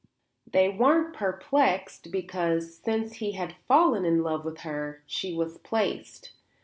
They weren't perplexed, because, since he had fallen in love with her, she was placed.